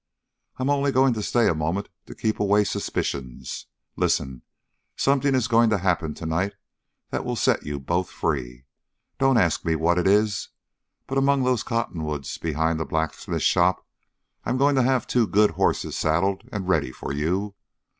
"I'm only going to stay a moment to keep away suspicions. Listen! Something is going to happen tonight that will set you both free. Don't ask me what it is. But, among those cottonwoods behind the blacksmith shop, I'm going to have two good horses saddled and ready for you.